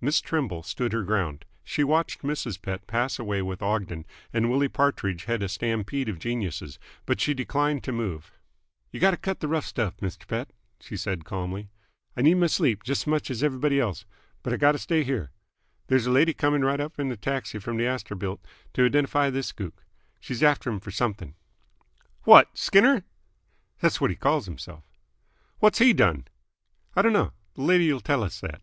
Miss Trimble stood her ground. She watched Mrs. Pett pass away with Ogden, and Willie Partridge head a stampede of geniuses, but she declined to move. "Y' gotta cut th' rough stuff, 'ster Pett," she said calmly. "I need my sleep, j'st 's much 's everyb'dy else, but I gotta stay here. There's a lady c'ming right up in a taxi fr'm th' Astorbilt to identify this gook. She's after'm f'r something." "What! Skinner?" "'s what he calls h'mself." "What's he done?" "I d'no. Th' lady'll tell us that."